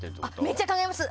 めっちゃ考えます。